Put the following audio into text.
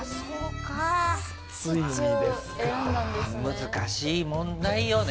難しい問題よね。